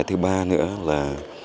thứ ba nữa là